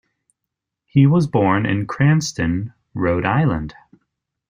He was born in Cranston, Rhode Island.